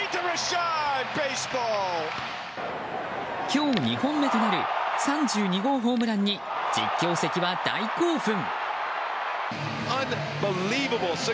今日２本目となる３２号ホームランに実況席は大興奮。